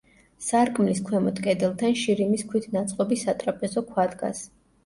სარკმლის ქვემოთ კედელთან შირიმის ქვით ნაწყობი სატრაპეზო ქვა დგას.